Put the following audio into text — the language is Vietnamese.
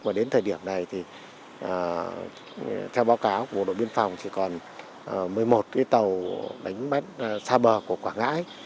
và đến thời điểm này thì theo báo cáo của bộ đội biên phòng chỉ còn một mươi một cái tàu đánh bắt xa bờ của quảng ngãi